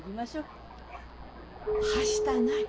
はしたない。